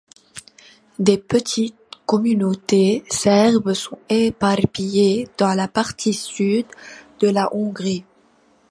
Des petites communautés serbes sont éparpillés dans la partie sud de la Hongrie.